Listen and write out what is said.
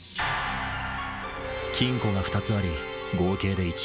金庫が２つあり、合計で１億